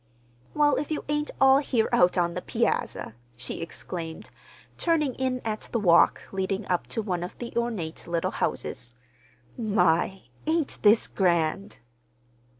"Well, if you ain't all here out on the piazza!" she exclaimed, turning, in at the walk leading up to one of the ornate little houses. "My, ain't this grand!"